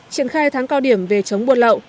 trình khai tháng cao điểm về chống buôn lậu